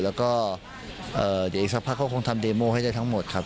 แล้วก็เดี๋ยวอีกสักพักเขาคงทำเดโมให้ได้ทั้งหมดครับ